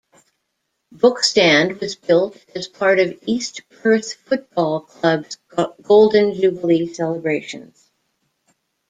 Book Stand was built as part of East Perth Football Club's golden jubilee celebrations.